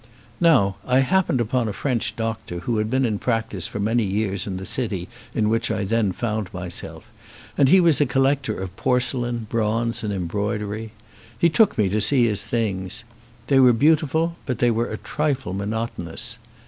Now, I happened upon a French doctor who had been in practice for many years in the city in which I then found myself ; and he was a collector of porcelain, bronze, and embroidery. He took me to see his things. They were beautiful, but they were a trifle monotonous.